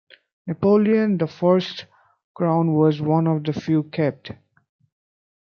Napoleon the First's crown was one of the few kept.